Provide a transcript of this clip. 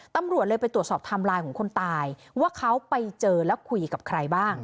ตำรวจเลยไปตรวจสอบไทม์ไลน์ของคนตายว่าเขาไปเจอแล้วคุยกับใครบ้าง